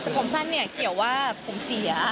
แต่ผมสั้นเนี่ยเกี่ยวว่าผมเสีย